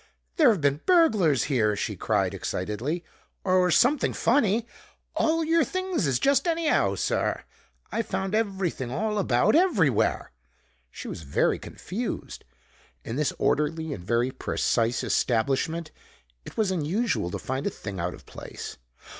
"There've been burglars here," she cried excitedly, "or something funny! All your things is just anyhow, sir. I found everything all about everywhere!" She was very confused. In this orderly and very precise establishment it was unusual to find a thing out of place.